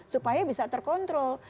supaya bisa terkontrol